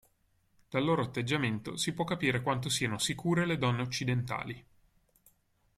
Dal loro atteggiamento si può capire quanto siano sicure le donne occidentali.